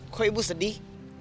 kok ibu sedih